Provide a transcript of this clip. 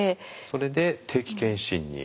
それで定期検診に。